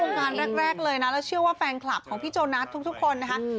ต้องเข้าวงการแรกและเชื่อว่าแฟนคลับของพี่โจนัททุกคนนะครับ